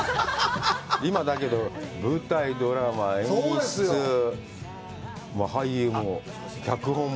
今、だけど、舞台、ドラマ、演出、俳優も、脚本も。